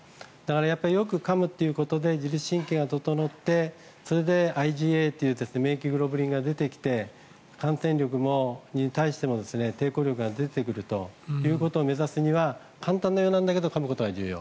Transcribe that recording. やっぱり、よくかむことで自律神経が整ってそれでＩｇＡという免疫グロブリンが出てきて感染力に対しても抵抗力が出てくるということを目指すには簡単なようだけどかむことが重要。